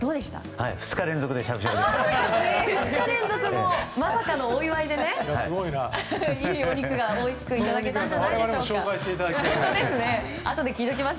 ２日連続でまさかのお祝いでいいお肉がおいしくいただけたんじゃないかと。